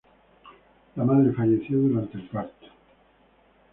La madre falleció durante el parto.